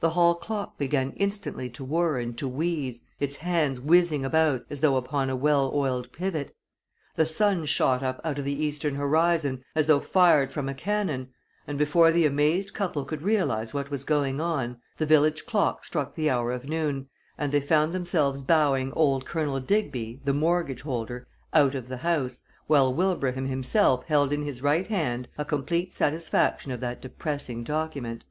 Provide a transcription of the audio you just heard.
The hall clock began instantly to whirr and to wheeze, its hands whizzing about as though upon a well oiled pivot. The sun shot up out of the eastern horizon as though fired from a cannon, and before the amazed couple could realize what was going on, the village clock struck the hour of noon, and they found themselves bowing old Colonel Digby, the mortgage holder, out of the house, while Wilbraham himself held in his right hand a complete satisfaction of that depressing document.